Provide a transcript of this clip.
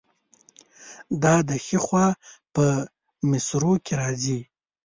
دا د ښي خوا په مصرو کې راځي.